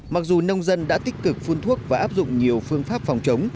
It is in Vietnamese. mặc dù nông dân đã tích cực phun thuốc và áp dụng nhiều phương pháp phòng chống